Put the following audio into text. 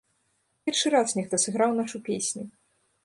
Першы раз нехта сыграў нашу песню!